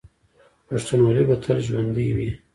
پښتونولي به تل ژوندي وي.